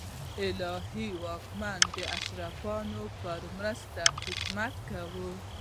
الهي واکمن د اشرافو په مرسته حکومت کاوه.